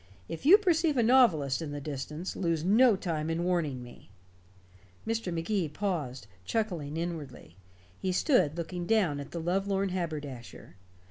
If you perceive a novelist in the distance, lose no time in warning me." Mr. Magee paused, chuckling inwardly. He stood looking down at the lovelorn haberdasher.